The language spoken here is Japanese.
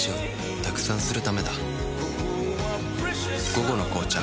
「午後の紅茶」